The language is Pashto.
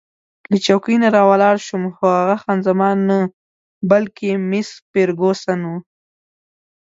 له چوکۍ نه راولاړ شوم، خو هغه خان زمان نه، بلکې مس فرګوسن وه.